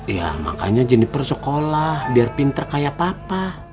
ya makanya jeniper sekolah biar pintar kayak papa